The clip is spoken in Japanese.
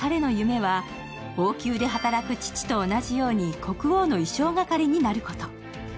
イギリスの田舎で暮らす彼の夢は王宮で働く父と同じように国王の衣装係になること。